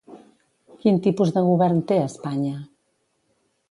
Quin tipus de govern té Espanya?